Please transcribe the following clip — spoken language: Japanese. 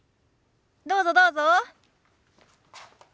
どうぞどうぞ。